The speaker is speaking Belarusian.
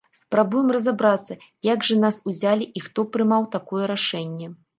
Спрабуем разабрацца, як жа нас узялі і хто прымаў такое рашэнне.